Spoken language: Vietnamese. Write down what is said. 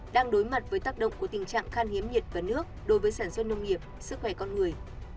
đang đối mặt với tác động của tình trạng khan hiếm nhiệt và nước đối với sản xuất nông nghiệp sức khỏe con người